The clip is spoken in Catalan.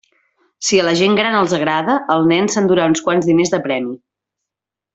Si a la gent gran els agrada, el nen s'endurà uns quants diners de premi.